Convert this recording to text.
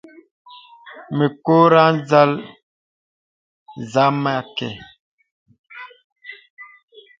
Mì kɔrə̄ ìzrəɛl zə məkə.